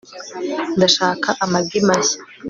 ndashaka amagi mashya